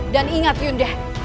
dan ingat yunda